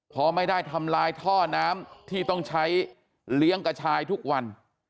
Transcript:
พอไม่ได้ทำลายท่อน้ำที่ต้องใช้เลี้ยงกระชายทุกวัน